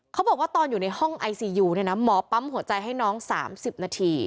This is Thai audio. เขาบอกว่าตอนอยู่ในห้องไอซียูเนี่ยนะหมอปั๊มหัวใจให้น้อง๓๐นาที